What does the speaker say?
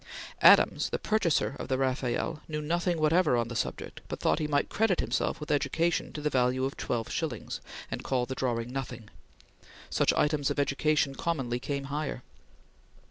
Adams, the purchaser of the Rafael, knew nothing whatever on the subject, but thought he might credit himself with education to the value of twelve shillings, and call the drawing nothing. Such items of education commonly came higher.